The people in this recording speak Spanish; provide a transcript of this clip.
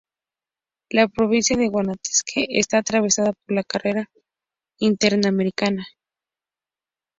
La provincia de Guanacaste está atravesada por la carretera interamericana.